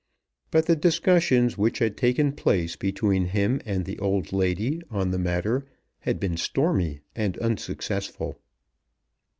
But the discussions which had taken place between him and the old lady on the matter had been stormy and unsuccessful.